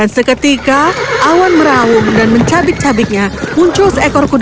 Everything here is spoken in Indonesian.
dan seketika awan merawung dan mencabik cabiknya muncul seekor kuda